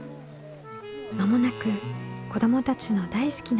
間もなく子どもたちの大好きな夏がやって来ます。